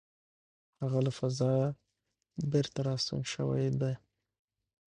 هغه له فضا بېرته راستون شوی دی.